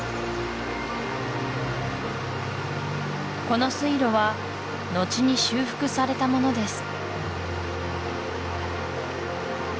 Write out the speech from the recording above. この水路は後に修復されたものです